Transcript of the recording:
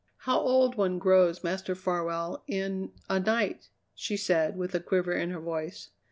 "How old one grows, Master Farwell, in a night," she said with a quiver in her voice.